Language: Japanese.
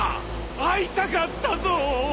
会いたかったぞ。